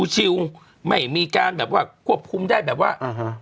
ชิลไม่มีการแบบว่าควบคุมได้แบบว่าอ่าฮะ